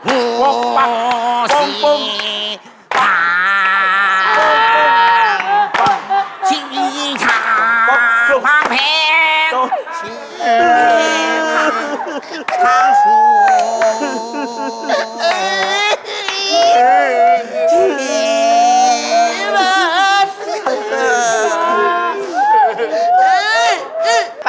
อ้าชี้ชี้ปังชี้ปังอ้า